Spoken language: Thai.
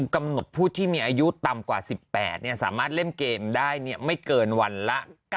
กำหนดผู้ที่มีอายุต่ำกว่า๑๘สามารถเล่นเกมได้ไม่เกินวันละ